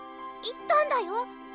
いったんだよ。